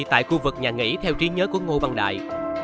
tại khu vực nhà nghỉ theo trí nhớ của ngô văn đại